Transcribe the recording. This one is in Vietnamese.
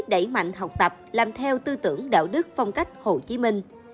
đẩy mạnh học tập làm theo tư tưởng đạo đức phong cách hồ chí minh